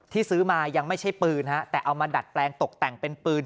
ซื้อมายังไม่ใช่ปืนฮะแต่เอามาดัดแปลงตกแต่งเป็นปืน